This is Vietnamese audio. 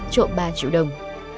trộm ba triệu đồng